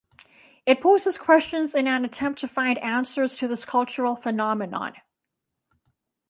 It poses questions in an attempt to find some answers to this cultural phenomenon.